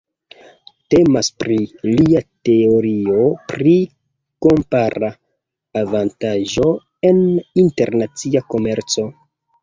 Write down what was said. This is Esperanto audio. Temas pri lia teorio pri kompara avantaĝo en internacia komerco.